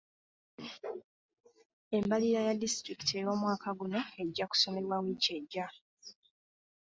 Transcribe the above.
Embalirira ya disitulikiti ey'omwaka guno ejja kusomebwa wiiki ejja.